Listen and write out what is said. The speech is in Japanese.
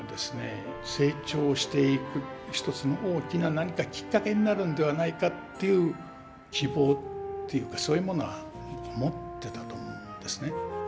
成長していく一つの大きなきっかけになるんではないかという希望というかそういうものは持ってたと思うんですね。